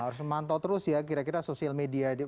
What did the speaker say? harus memantau terus ya kira kira sosial media